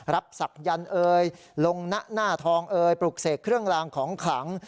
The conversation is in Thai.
ศักยันต์เอ่ยลงนะหน้าทองเอ่ยปลุกเสกเครื่องลางของขลัง